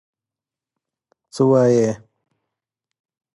څه وایې؟